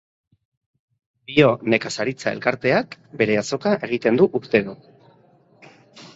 Bionekazaritza elkarteak bere azoka egiten du urtero.